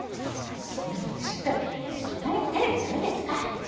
でも私言ったの「そんなにテレビ駄目ですか？」